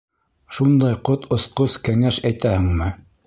Шундай ҡот осҡос кәңәш әйтәһеңме?